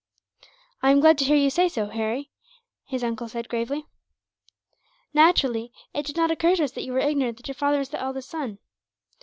"I am glad to hear you say so, Harry," his uncle said, gravely. "Naturally, it did not occur to us that you were ignorant that your father was the eldest son.